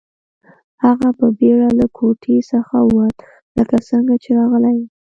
هغه په بیړه له کوټې څخه ووت لکه څنګه چې راغلی و